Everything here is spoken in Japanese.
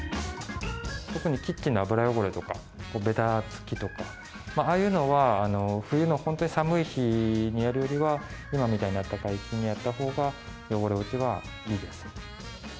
特にキッチンの油汚れとか、べたつきとかは、ああいうのは冬の本当に寒い日にやるよりは、今みたいに暖かい日にやったほうが、汚れ落ちはいいです。